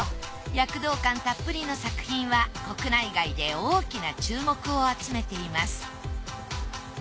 躍動感たっぷりの作品は国内外で大きな注目を集めています。